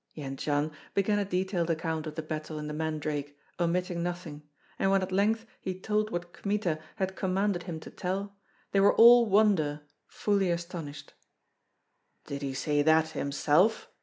Jendzian began a detailed account of the battle in "The Mandrake," omitting nothing; and when at length he told what Kmita had commanded him to tell, they were all wonder fully astonished. "Did he say that himself?"